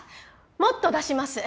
もっと出します。